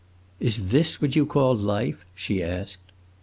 "Is this what you call life?" she asked.